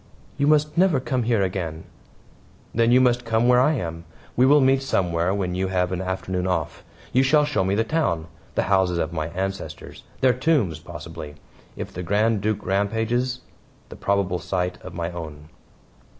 "You must never come here again." "Then you must come where I am. We will meet somewhere when you have an afternoon off. You shall show me the town the houses of my ancestors their tombs; possibly if the Grand Duke rampages the probable site of my own."